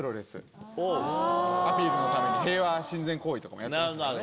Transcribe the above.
アピールのために平和親善もやってますから。